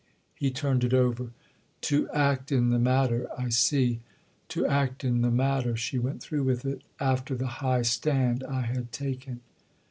He turned it over. "To act in the matter—I see." "To act in the matter"—she went through with it—"after the high stand I had taken."